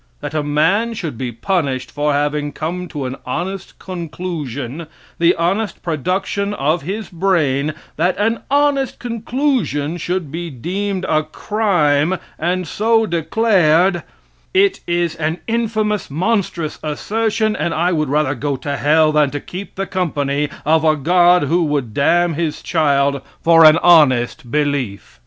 That a man should be punished for having come to an honest conclusion, the honest production of his brain; that an honest conclusion should be deemed a crime and so declared, it is an infamous, monstrous assertion, and I would rather go to hell than to keep the company of a God who would damn his child for an honest belief.